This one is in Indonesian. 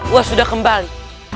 uat sudah kembali